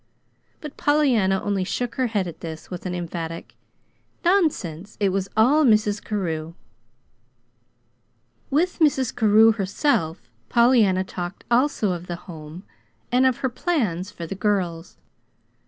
But Pollyanna only shook her head at this with an emphatic: "Nonsense! It was all Mrs. Carew." With Mrs. Carew herself Pollyanna talked also of the Home, and of her plans for the girls.